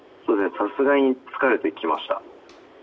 さすがに疲れてきました。